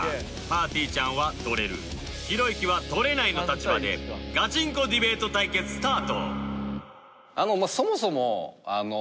ぱーてぃーちゃんは取れるひろゆきは取れないの立場でガチンコディベート対決スタート